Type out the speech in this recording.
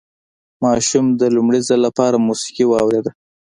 ماشوم د لومړي ځل لپاره موسيقي واورېده.